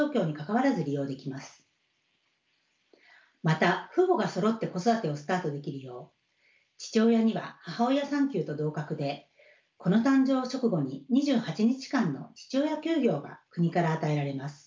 また父母がそろって子育てをスタートできるよう父親には母親産休と同格で子の誕生直後に２８日間の父親休業が国から与えられます。